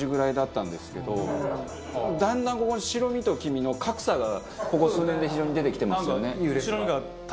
だんだん白身と黄身の格差がここ数年で非常に出てきてますよね。